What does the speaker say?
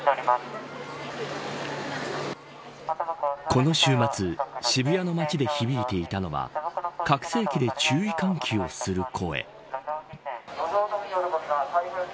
この週末渋谷の街で響いていたのは拡声器で注意喚起をする声。